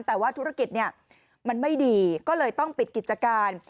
แต่ว่าธุรกิจเนี่ยมันไม่ดีก็เลยต้องปิดกิจการ